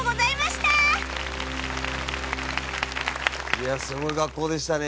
いやすごい学校でしたね